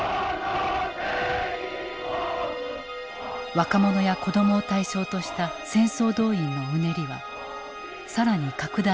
若者や子供を対象とした戦争動員のうねりは更に拡大していく。